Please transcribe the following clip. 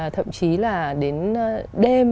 thậm chí là đến đêm